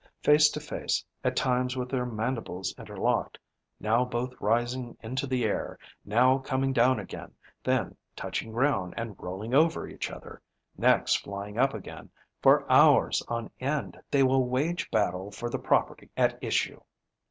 Face to face, at times with their mandibles interlocked, now both rising into the air, now coming down again, then touching ground and rolling over each other, next flying up again, for hours on end they will wage battle for the property at issue.